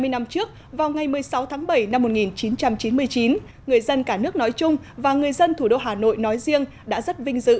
hai mươi năm trước vào ngày một mươi sáu tháng bảy năm một nghìn chín trăm chín mươi chín người dân cả nước nói chung và người dân thủ đô hà nội nói riêng đã rất vinh dự